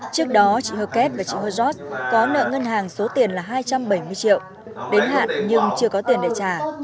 trước đó chị hờ kết và chị hờ giọc có nợ ngân hàng số tiền là hai trăm bảy mươi triệu đến hạn nhưng chưa có tiền để trả